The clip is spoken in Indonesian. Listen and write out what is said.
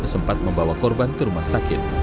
sempat membawa korban ke rumah sakit